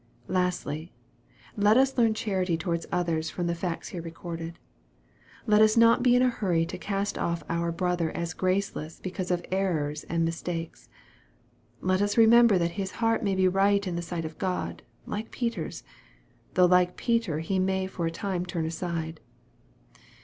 Lastly, let us learn charity towards others from the facts here recorded. Let us not be in a hurry to cast off our brother as graceless because of errors and mistakes. Let us remember that his heart may be right in the sight of God, like Peter's, though like Peter he may for a time turn aside.